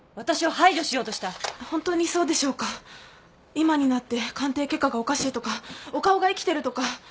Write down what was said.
今になって鑑定結果がおかしいとか岡尾が生きてるとか。